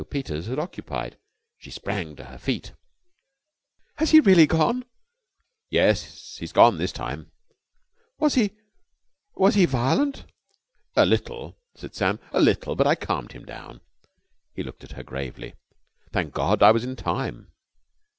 Peters had occupied. She sprang to her feet. "Has he really gone?" "Yes, he's gone this time." "Was he was he violent?" "A little," said Sam, "a little. But I calmed him down." He looked at her gravely. "Thank God I was in time!"